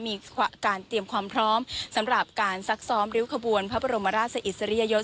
มีการเตรียมความพร้อมสำหรับการซักซ้อมริ้วขบวนพระบรมราชอิสริยยศ